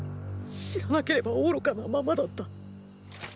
知らなければ愚かなままだった。